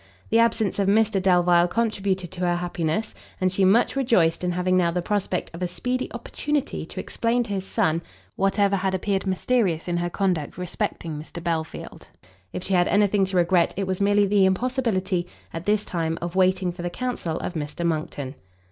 The absence of Mr Delvile contributed to her happiness, and she much rejoiced in having now the prospect of a speedy opportunity to explain to his son, whatever had appeared mysterious in her conduct respecting Mr Belfield. If she had any thing to regret, it was merely the impossibility, at this time, of waiting for the counsel of Mr Monckton.